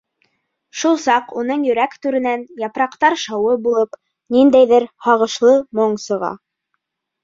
Шул саҡ уның йөрәк түренән, япраҡтар шауы булып, ниндәйҙер һағышлы моң сыға.